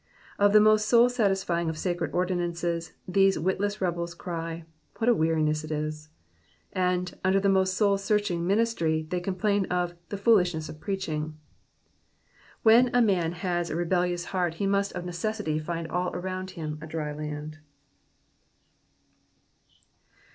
Of the most soul satisfying of sacred ordinances these witless rebels cry, what a weariness it is I'' and, under the most soul sustaining ministry, they complain of '* the foolishness of preaching.'^ When a man has a rebellious heart, he must of necessity find all around him a dry land.